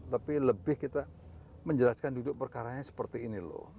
tapi lebih kita menjelaskan duduk perkaranya seperti ini loh